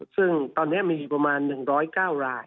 ซึ่งตอนนี้มีอยู่ประมาณ๑๐๙ราย